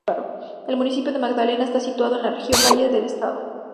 El municipio de Magdalena está situado en la Región Valles del Estado.